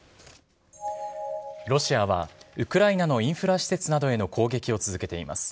ロシアは、ウクライナのインフラ施設などへの攻撃を続けています。